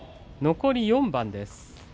残り４番です。